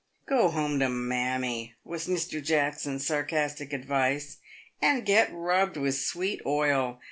* Go home to mammy," was Mr. Jackson's sarcastic advice, " and get rubbed with sweet oil.